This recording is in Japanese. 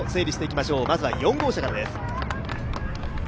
まずは４号車からです。